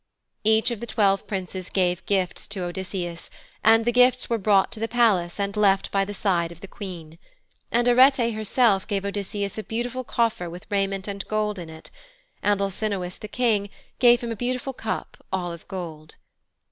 Each of the twelve princes gave gifts to Odysseus, and the gifts were brought to the palace and left by the side of the Queen. And Arete herself gave Odysseus a beautiful coffer with raiment and gold in it, and Alcinous, the King, gave him a beautiful cup, all of gold.